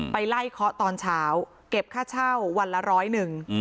ไปไล่เคาะตอนเช้าเก็บค่าเช่าวันละร้อยหนึ่ง